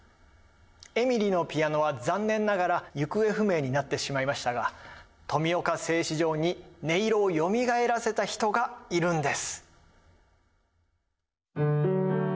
エミリのピアノは残念ながら行方不明になってしまいましたが富岡製糸場に音色をよみがえらせた人がいるんです。